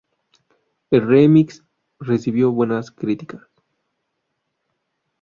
El remix recibió buenas críticas.